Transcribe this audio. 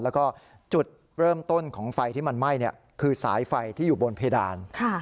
แล้วก็จุดเริ่มต้นของไฟที่มันไหม้คือสายไฟที่อยู่บนเพดาน